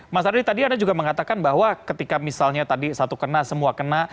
mas ardi tadi anda juga mengatakan bahwa ketika misalnya tadi satu kena semua kena